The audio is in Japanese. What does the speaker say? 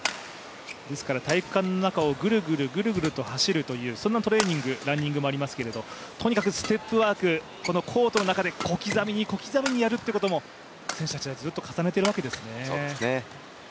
体育館の中をぐるぐる走るというそんなトレーニングランニングもありますけどもとにかくステップワークコートの中で小刻みにやるということも選手たちはずっと重ねているわけですね。